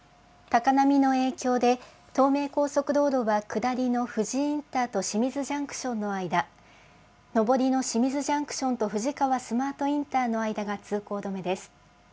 高波の影響で、東名高速道路は下りの富士インターと清水ジャンクションの間、上りの清水ジャンクションと富士川スマートインターの間が通行止めです。